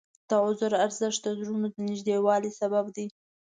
د عذر ارزښت د زړونو د نږدېوالي سبب دی.